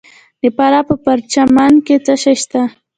د فراه په پرچمن کې څه شی شته؟